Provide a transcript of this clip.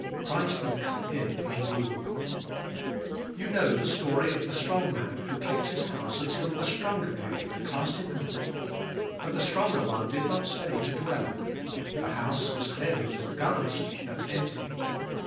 Christ will come in and rule. You know the story of the strong man who kept his house until a stronger came and cast him out. • But the stronger one did not stay to dwell. The house was cleansed and garnished but empty.